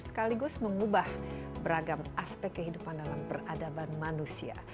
sekaligus mengubah beragam aspek kehidupan dalam peradaban manusia